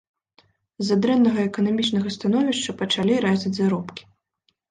З-за дрэннага эканамічнага становішча пачалі рэзаць заробкі.